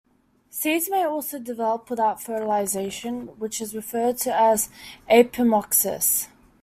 Seeds may also develop without fertilization, which is referred to as apomixis.